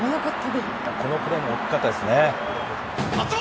このプレーも大きかったですね。